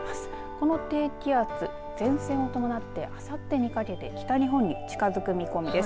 この低気圧前線を伴ってあさってにかけて北日本に近づく見込みです。